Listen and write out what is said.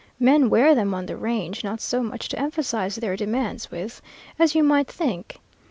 Men wear them on the range, not so much to emphasize their demands with, as you might think.